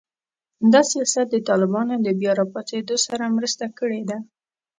دا سیاست د طالبانو د بیا راپاڅېدو سره مرسته کړې ده